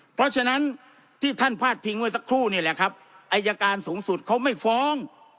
เพราะฉะนั้นที่ท่านพาดพิงไว้สักครู่นี่แหละครับอายการสูงสุดเขาไม่ฟ้อง